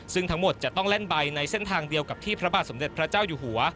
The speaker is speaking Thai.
ซึ่งทั้งหมดจะต้องเล่นใบในเส้นทางเดียวกับที่พระบาทสมเด็จพระเจ้าอยู่หัว